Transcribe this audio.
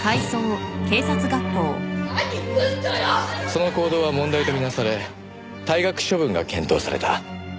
その行動は問題と見なされ退学処分が検討された。